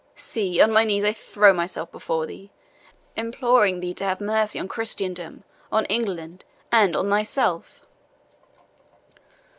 See, on my knees I throw myself before thee, imploring thee to have mercy on Christendom, on England, and on thyself!"